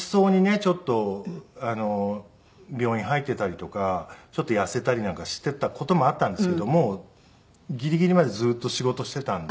ちょっと病院入っていたりとかちょっと痩せたりなんかしていた事もあったんですけどもうギリギリまでずっと仕事をしていたんで。